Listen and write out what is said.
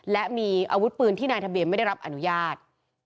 และมีอาวุธปืนที่นายทะเบียนไม่ได้รับอนุญาต